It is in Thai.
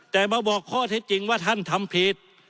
แต่มาบอกข้อเท็จจริงว่าท่านทำผิด